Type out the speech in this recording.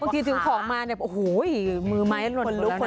บางทีถึงของมาเนี่ยโอ้โหมือไม้นั่นล่วนตัวแล้วนะ